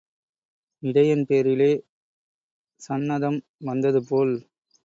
இடையன் பேரிலே சந்நதம் வந்தது போல்.